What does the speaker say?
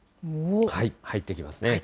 入ってきますね。